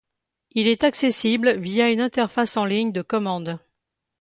Il est accessible via une interface en ligne de commande.